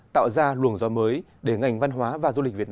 tạo ra luồng do mới